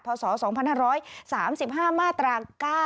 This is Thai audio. ศ๒๕๓๕มาตรา๙